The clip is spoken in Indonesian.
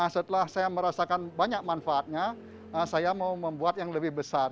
setelah saya merasakan banyak manfaatnya saya mau membuat yang lebih besar